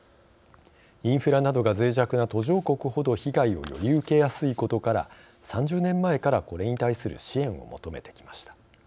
インフラなどがぜい弱な途上国ほど被害を、より受けやすいことから３０年前からこれに対する支援を求めてきました。